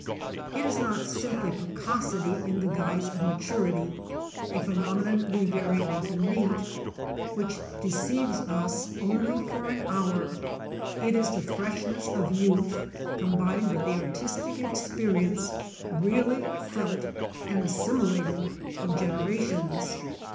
It is not simply precocity in the guise of maturity â a phenomenon we very often meet, which deceives us only for an hour ; it is the freshness of youth combined with the artistic experience, really felt and assimilated, of generations.